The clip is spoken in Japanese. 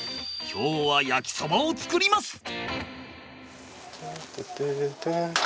今日は焼きそばを作ります。